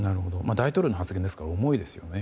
大統領の発言ですから重いですよね。